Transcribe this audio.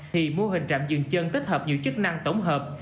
thì mô hình trạm dừng chân tích hợp nhiều chức năng tổng hợp